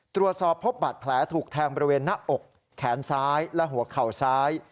ตรวจสอบพบบาดแผลถูกแทงบริเวณหน้าอกแขนซ้ายและหัวเข่าซ้าย